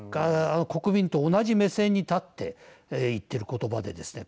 国民と同じ目線に立って言っている言葉でですね